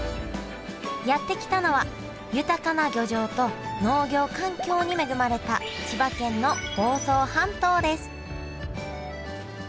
やって来たのは豊かな漁場と農業環境に恵まれた千葉県の房総半島です